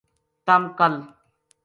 تم کل